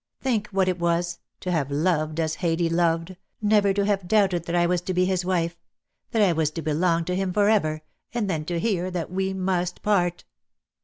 Think what it was, to have loved as Haidee loved, never to have doubted that I was to be his wife, that I was to belong to him for ever, and then to hear that we must part."